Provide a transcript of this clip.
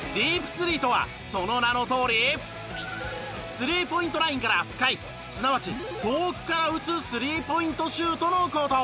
スリーポイントラインから深いすなわち遠くから打つスリーポイントシュートの事。